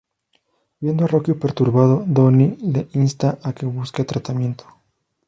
Viendo a Rocky perturbado, Donnie le insta a que busque tratamiento.